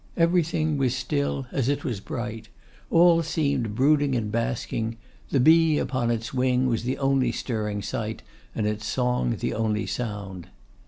Everything was still as it was bright; all seemed brooding and basking; the bee upon its wing was the only stirring sight, and its song the only sound.